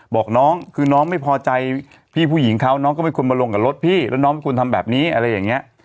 บอกน้องคือน้องไม่พอใจพี่ผู้หญิงเขาน้องก็ไม่ควรมาลงกับรถพี่แล้วน้องไม่ควรทำแบบนี้อะไรอย่างนี้